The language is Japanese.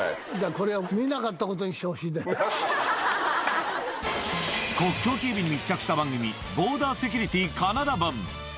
これは見なかったことにして国境警備に密着した番組、ボーダーセキュリティー・カナダ版。